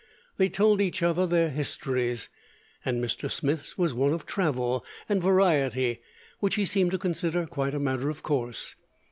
They told each other their histories, and Mr. Smith's was one of travel and variety, which he seemed to consider quite a matter of course.